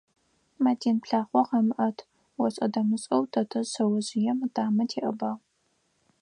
«Мадин, плъакъо къэмыӏэт»,- ошӏэ-дэмышӏэу тэтэжъ шъэожъыем ытамэ теӏэбагъ.